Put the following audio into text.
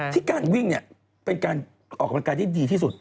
ที่การวิ่งเนี่ยเป็นการออกกำลังกายที่ดีที่สุด